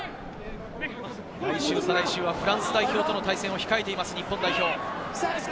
来週、再来週はフランス代表との試合控えています、日本代表。